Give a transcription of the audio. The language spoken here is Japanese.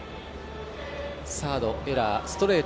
サードのエラー。